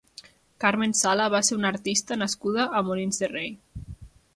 Carmen Sala va ser una artista nascuda a Molins de Rei.